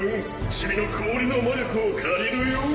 チミの氷の魔力を借りるよん。